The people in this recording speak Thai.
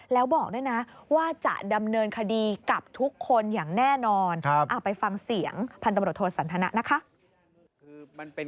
แล้วบอกด้วยนะว่าจะดำเนินคดีกับทุกคนอย่างแน่นอน